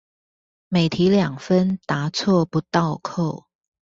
每題兩分答錯不倒扣